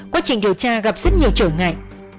quá trình điều tra gặp rất nhiều trở ngại